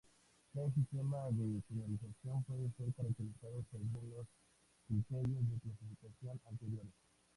Cada sistema de señalización puede ser caracterizado según los criterios de clasificación anteriores.